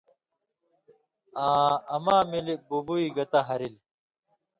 آں اما ملیۡ بُبوئ گتہ ہرِلیۡ